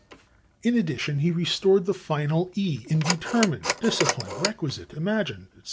In addition, he restored the final /e/ in /determine/, /discipline/, /requisite/, /imagine/, etc.